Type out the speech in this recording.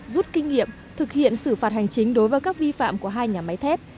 rút kinh nghiệm thực hiện xử phạt hành chính đối với các vi phạm của hai nhà máy thép